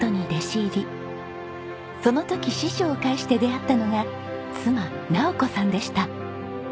その時師匠を介して出会ったのが妻尚子さんでした。